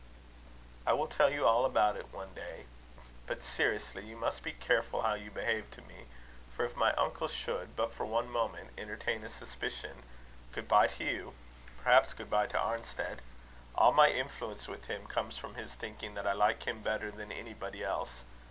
"I will tell you all about it one day. But, seriously, you must be careful how you behave to me; for if my uncle should, but for one moment, entertain a suspicion good bye to you perhaps good bye to Arnstead. All my influence with him comes from his thinking that I like him better than anybody else.